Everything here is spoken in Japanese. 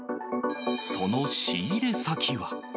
その仕入れ先は。